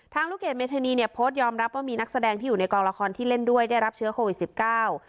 ลูกเกดเมธานีเนี่ยโพสต์ยอมรับว่ามีนักแสดงที่อยู่ในกองละครที่เล่นด้วยได้รับเชื้อโควิดสิบเก้า